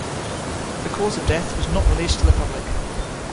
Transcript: The cause of death was not released to the public.